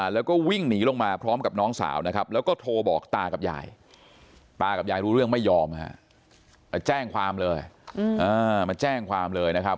แล้วก็วิ่งหนีลงมาพร้อมกับน้องสาวนะครับแล้วก็โทรบอกตากับยายตากับยายรู้เรื่องไม่ยอมมาแจ้งความเลยมาแจ้งความเลยนะครับ